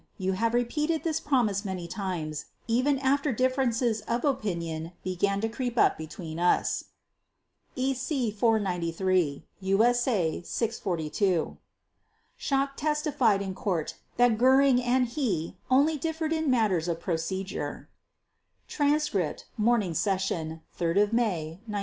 . You have repeated this promise many times, even after differences of opinion began to creep up between us." (EC 493, USA 642). Schacht testified in Court that Göring and he only "differed in matters of procedure" (Transcript, Morning Session, 3 May 1946).